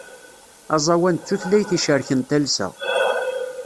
Aẓawan d tutlayt icerken talsa.